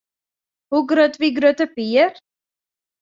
Hoe grut wie Grutte Pier?